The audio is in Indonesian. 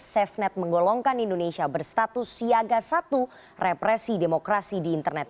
safenet menggolongkan indonesia berstatus siaga satu represi demokrasi di internet